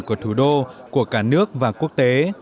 của thủ đô của cả nước và quốc tế